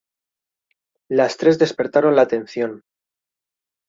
Las tres despertaron la atención.